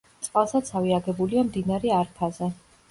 წყალსაცავი აგებულია მდინარე არფაზე.